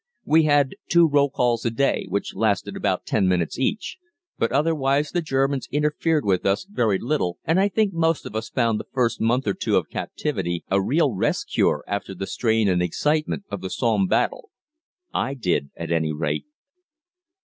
We had two roll calls a day, which lasted about ten minutes each, but otherwise the Germans interfered with us very little, and I think most of us found the first month or two of captivity a real rest cure after the strain and excitement of the Somme battle. I did, at any rate.